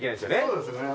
そうですね。